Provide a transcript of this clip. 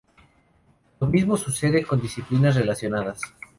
Lo mismo sucede con disciplinas relacionadas.